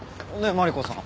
マリコさん